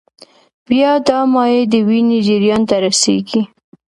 بیا دا مایع د وینې جریان ته رسېږي.